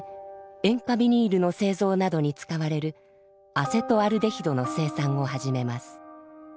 塩化ビニールの製造などに使われるアセトアルデヒドの生産を始めます。